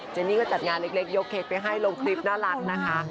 นี่ก็จัดงานเล็กยกเค้กไปให้ลงคลิปน่ารักนะคะ